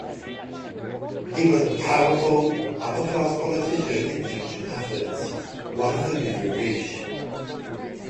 He was a powerful, upper-class politician in ancient Athens, one of the nouveaux riches.